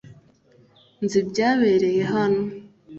Nzi ibyabereye hano .